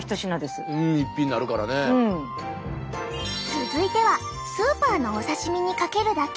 続いてはスーパーのお刺身にかけるだけ！